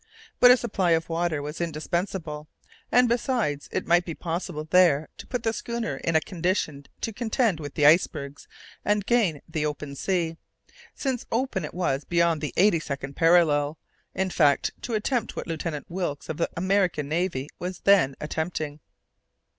But a supply of water was indispensable, and besides, it might be possible there to put the schooner in a condition to contend with the icebergs and gain the open sea since open it was beyond the eighty second parallel in fact to attempt what Lieutenant Wilkes of the American Navy was then attempting.